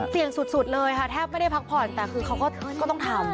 สุดเลยค่ะแทบไม่ได้พักผ่อนแต่คือเขาก็ต้องทำ